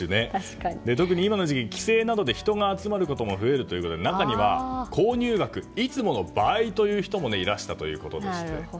特に今の時期、帰省などで人が集まることも増えるということで中には、購入額がいつもの倍という人もいらしたということでした。